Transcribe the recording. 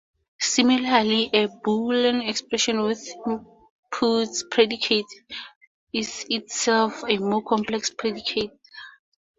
Similarly, a Boolean expression with inputs predicates is itself a more complex predicate.